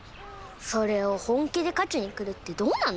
それを本気で勝ちに来るってどうなの？